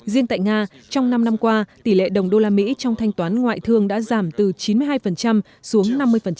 riêng tại nga trong năm năm qua tỷ lệ đồng đô la mỹ trong thanh toán ngoại thương đã giảm từ chín mươi hai xuống năm mươi